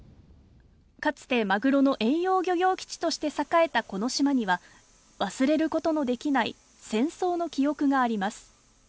かつてまぐろの遠洋漁業基地として栄えたこの島には忘れることのできない戦争の記憶があります。